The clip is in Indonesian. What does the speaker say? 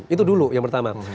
itu dulu yang pertama